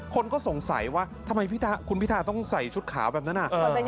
คนก็สงสัยว่าทำไมคุณพิทาต้องใส่ชุดขาวแบบนั้น